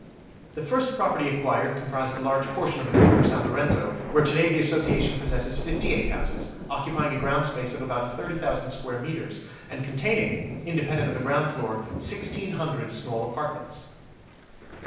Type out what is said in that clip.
The first property acquired comprised a large portion of the Quarter of San Lorenzo, where to day the Association possesses fifty eight houses, occupying a ground space of about 30,000 square metres, and containing, independent of the ground floor, 1,600 small apartments.